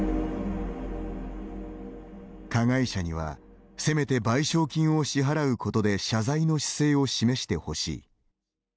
加害者にはせめて賠償金を支払うことで謝罪の姿勢を示してほしい。